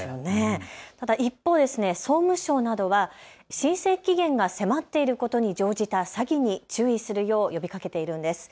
ただ一方、総務省などは申請期限が迫っていることに乗じた詐欺に注意するよう呼びかけているんです。